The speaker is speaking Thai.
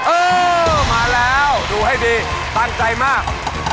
เออมาแล้วดูให้ดีตั้งใจมาก